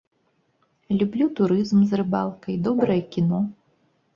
Люблю турызм з рыбалкай, добрае кіно.